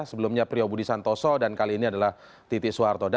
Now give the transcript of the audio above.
sebelumnya priyobudi santoso dan kali ini adalah titi soeharto